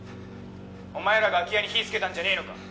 「お前らが空き家に火つけたんじゃねえのか？」